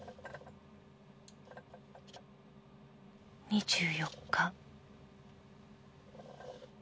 ２４日